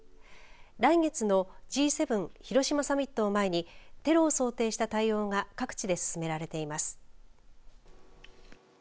来月のＧ７広島サミットを前にテロを想定した対応が各地で進められています。